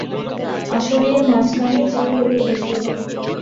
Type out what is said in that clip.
আসনের মাঝখানে সেগুলোকে বসিয়ে দাও।